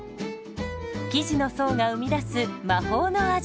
生地の層が生み出す魔法の味。